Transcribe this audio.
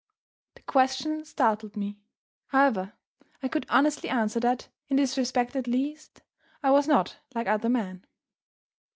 The question startled me. However, I could honestly answer that, in this respect at least, I was not like other men.